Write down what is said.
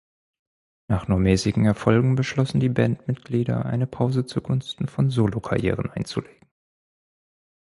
Nach nur mäßigen Erfolgen beschlossen die Bandmitglieder, eine Pause zu Gunsten von Solokarrieren einzulegen.